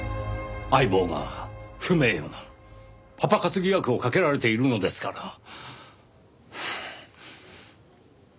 相棒が不名誉なパパ活疑惑をかけられているのですから。